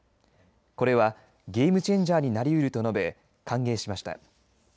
これはゲームチェンジャーになりうると述べ歓迎しました。